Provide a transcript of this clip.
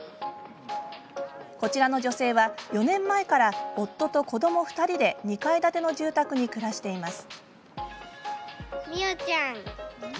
こちらの女性は４年前から夫と子ども２人で２階建ての住宅に暮らしています。